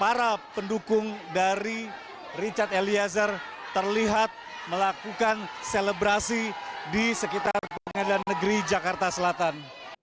para pendukung dari richard eliezer terlihat melakukan selebrasi di sekitar pengadilan negeri jakarta selatan